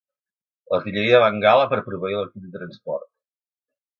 L'artilleria de Bengala per proveir l'equip de transport.